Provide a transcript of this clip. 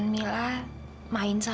ambil eh uang udah